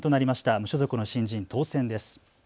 無所属の新人当選です。